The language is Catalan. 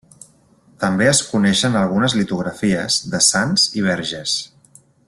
També es coneixen algunes litografies de sants i verges.